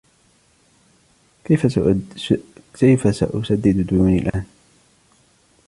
كيفَ سأسدد ديونى الآن؟